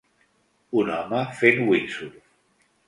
Un home fent windsurf.